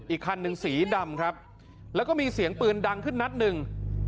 อีกคันหนึ่งสีดำครับแล้วก็มีเสียงปืนดังขึ้นนัดหนึ่ง